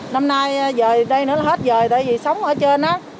năm nay dời đây nữa là hết dời tại vì sống ở trên á